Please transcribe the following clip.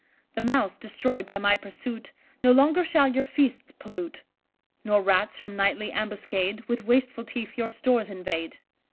The Mouse, destroy'd by my pursuit, No longer shall your feasts pollute; Nor Rats, from nightly ambuscade, With wasteful teeth your stores invade.